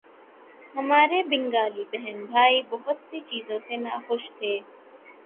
ہمارے بنگالی بہن بھائی بہت سی چیزوں سے ناخوش تھے۔